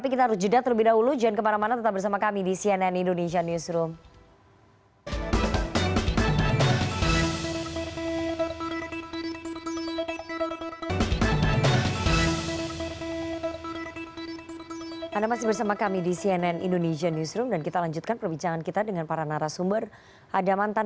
kita tidak yakin